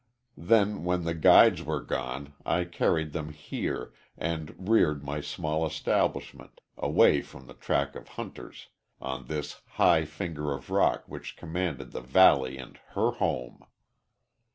Then when the guides were gone I carried them here, and reared my small establishment, away from the track of hunters, on this high finger of rock which commanded the valley and her home.